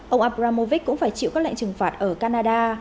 ông abramovic cũng phải chịu các lệnh trừng phạt ở canada